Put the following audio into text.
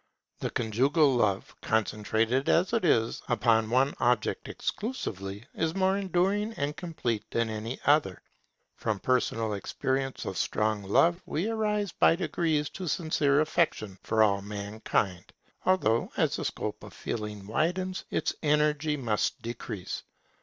And conjugal love, concentrated as it is upon one object exclusively, is more enduring and complete than any other. From personal experience of strong love we rise by degrees to sincere affection for all mankind; although, as the scope of feeling widens, its energy must decrease.